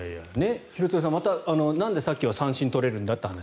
廣津留さんなんでさっきは三振取れるんだという話。